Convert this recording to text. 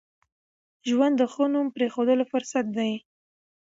ژوند د ښو نوم پرېښوولو فرصت دی.